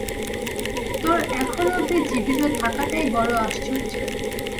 তোর এখন অব্ধি জীবিত থাকাটাই বড়ো আশ্চর্যের।